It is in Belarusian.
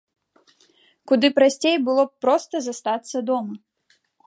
Куды прасцей было б проста застацца дома.